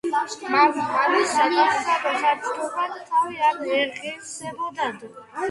მამისა ტახტსა საჯდომად თავი არ ეღირსებოდ